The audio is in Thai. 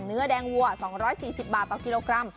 เนื้อแดงวัว๒๔๐บาทต่อกิโลกรัม